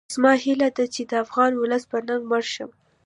زما هیله ده چې د افغان ولس په ننګ مړ شم